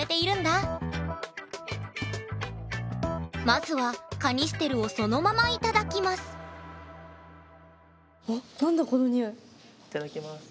まずはカニステルをそのままいただきますいただきます。